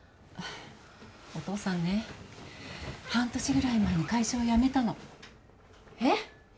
お父さんね半年ぐらい前に会社を辞めたのえっ！？